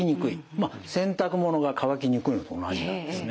まあ洗濯物が乾きにくいのと同じなんですね。